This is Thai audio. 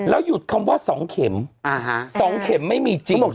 แล้วหยุดคำพว่าสองเข็มสองเข็มไม่มีจริง